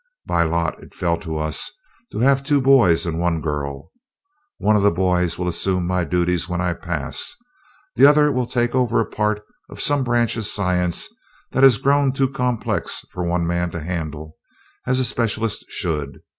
By lot it fell to us to have two boys and one girl. One of the boys will assume my duties when I pass; the other will take over a part of some branch of science that has grown too complex for one man to handle as a specialist should.